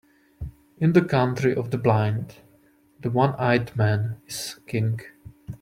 In the country of the blind, the one-eyed man is king.